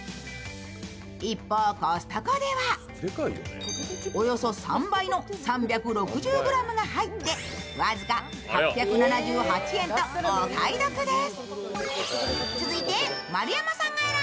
一方コストコでは、およそ３倍の３６０ｇが入って僅か８７８円とお買い得です。